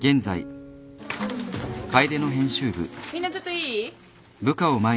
みんなちょっといい？